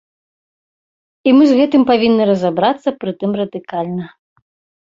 І мы з гэтым павінны разабрацца, прытым радыкальна.